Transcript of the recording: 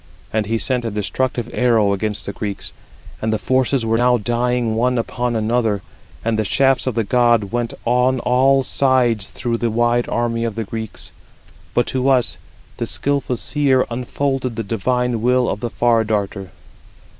And he sent a destructive arrow against the Greeks; and the forces were now dying one upon another, and the shafts of the god went on all sides through the wide army of the Greeks. But to us the skilful seer unfolded the divine will of the Far darter.